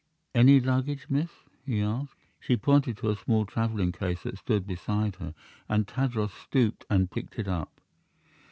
"Any luggage, miss?" he asked. She pointed to a small traveling case that stood beside her, and Tadros stooped and picked it up.